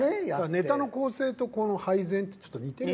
ネタの構成とこの配膳ってちょっと似てる。